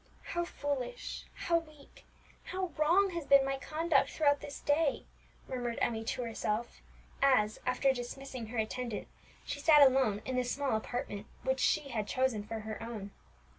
"How foolish how weak how wrong has been my conduct through this day!" murmured Emmie to herself, as, after dismissing her attendant, she sat alone in the small apartment which she had chosen for her own.